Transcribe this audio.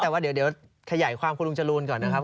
แต่ว่าเดี๋ยวขยายความคุณลุงจรูนก่อนนะครับ